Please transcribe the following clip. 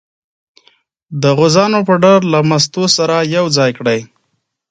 د غوزانو پوډر له مستو سره یو ځای کړئ.